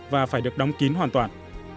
và phải được đóng kín hoàn toàn